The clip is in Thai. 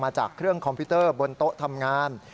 จากเครื่องคอมพิวเตอร์บนโต๊ะทำงาน